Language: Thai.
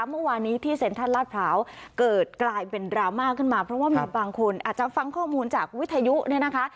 เมื่อวานนี้ที่เซ็นทรัลลาดพร้าวเกิดกลายเป็นดราม่าขึ้นมาเพราะว่ามีบางคนอาจจะฟังข้อมูลจากวิทยุเนี่ยนะคะ